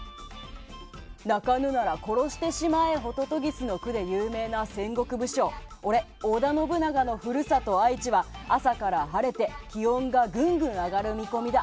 「鳴かぬなら殺してしまえホトトギス」の句で有名な戦国武将、俺織田信長の故郷・愛知は朝から晴れて、気温がぐんぐん上がる見込みだ。